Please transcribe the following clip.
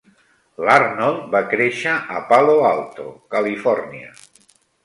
L'Arnold va créixer a Palo Alto, California.